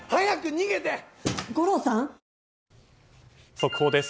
速報です。